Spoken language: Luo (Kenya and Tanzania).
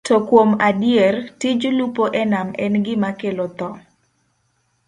To kuom adier, tij lupo e nam en gima kelo tho.